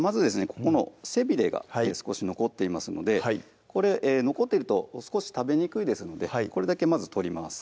ここの背びれが少し残っていますのでこれ残っていると少し食べにくいですのでこれだけまず取ります